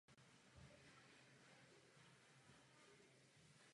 Velmi důkladně zohledňujeme stanovisko Parlamentu.